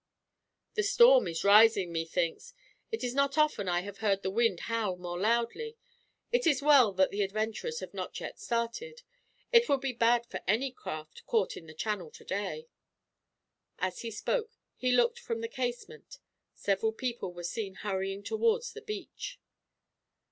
"The storm is rising, methinks. It is not often I have heard the wind howl more loudly. It is well that the adventurers have not yet started. It would be bad for any craft caught in the Channel, today." As he spoke, he looked from the casement. Several people were seen hurrying towards the beach.